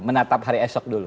menatap hari esok dulu